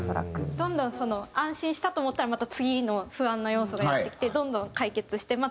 どんどんその安心したと思ったらまた次の不安な要素がやって来てどんどん解決してまた。